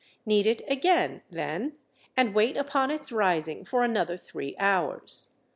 Knead it again, then, and wait upon its rising for another three hours.